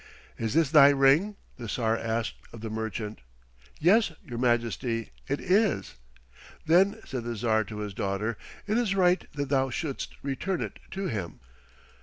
"Is this thy ring?" the Tsar asked of the merchant. "Yes, your majesty, it is." "Then," said the Tsar to his daughter, "it is right that thou shouldst return it to him."